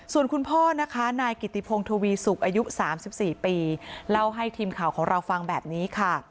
ส่วนคุณพ่อนะคะนายกิติพงศวีสุกอายุ๓๔ปีเล่าให้ทีมข่าวของเราฟังแบบนี้ค่ะ